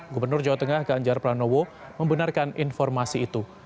gubernur jawa tengah ganjar pranowo membenarkan informasi itu